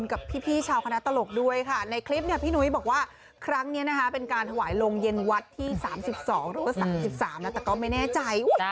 กับพี่ชาวคณะตลกด้วยค่ะในคลิปเนี่ยพี่นุ้ยบอกว่าครั้งนี้นะคะเป็นการถวายโรงเย็นวัดที่๓๒หรือว่า๓๓แล้วแต่ก็ไม่แน่ใจ